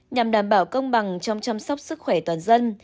nhằm đảm bảo công bằng trong chăm sóc sức khỏe toàn dân